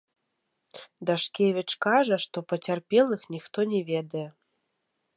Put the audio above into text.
Дашкевіч кажа, што пацярпелых ніхто не ведае.